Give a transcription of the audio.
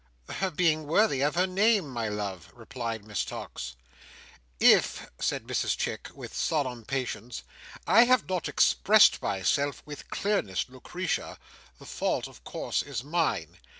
"Her being worthy of her name, my love," replied Miss Tox. "If," said Mrs Chick, with solemn patience, "I have not expressed myself with clearness, Lucretia, the fault of course is mine.